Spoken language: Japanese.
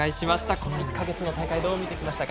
この１か月の大会どう見てきましたか？